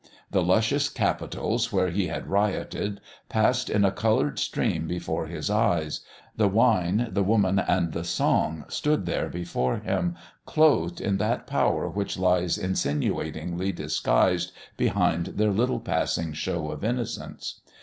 The luscious Capitals where he had rioted passed in a coloured stream before his eyes; the Wine, the Woman, and the Song stood there before him, clothed in that Power which lies insinuatingly disguised behind their little passing show of innocence.